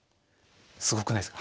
すごくないですか？